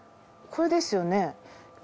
これですよね？